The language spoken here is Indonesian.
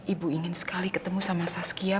ibu ingin sekali ketemu sama saskia